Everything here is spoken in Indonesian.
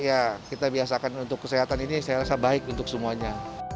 ya kita biasakan untuk kesehatan ini saya rasa baik untuk semuanya